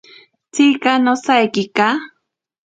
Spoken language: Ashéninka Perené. Tsika nosaikika.